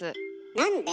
なんで？